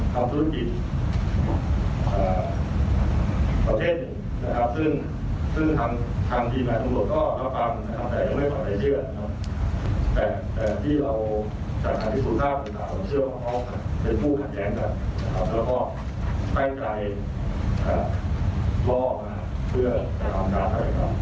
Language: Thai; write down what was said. แล้วก็แป้ไกลล่อมาเพื่อทำรักให้ครับ